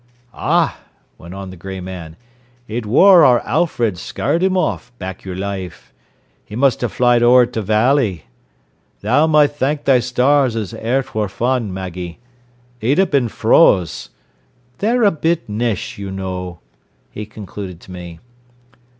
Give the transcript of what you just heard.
"Ah," went on the grey man. "It wor our Alfred scarred him off, back your life. He must 'a' flyed ower t' valley. Tha ma' thank thy stars as 'e wor fun, Maggie. 'E'd a bin froze. They a bit nesh, you know," he concluded to me.